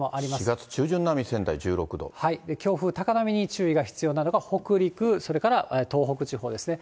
４月中旬並み、強風、高波に注意が必要なのが北陸、それから東北地方ですね。